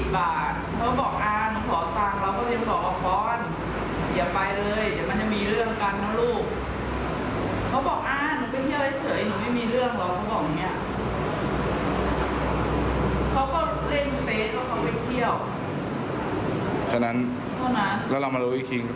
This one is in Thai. ไปเที่ยวฉะนั้นแล้วเรามารู้ว่าอีกที